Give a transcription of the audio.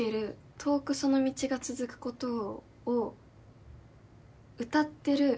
「遠くその道が続くことを」を「歌ってる」